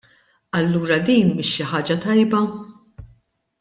Allura din mhix xi ħaġa tajba?